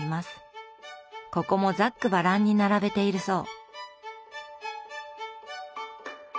ここもざっくばらんに並べているそう。